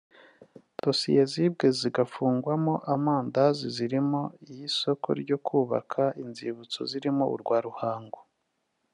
Dosiye zibwe zigafungwamo amandazi zirimo iy’isoko ryo kubaka inzibutso zirimo urwa Ruhango